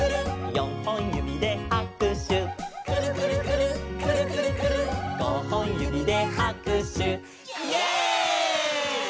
「よんほんゆびではくしゅ」「くるくるくるっくるくるくるっ」「ごほんゆびではくしゅ」イエイ！